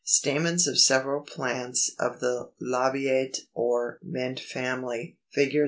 Stamens of several plants of the Labiate or Mint Family. Fig.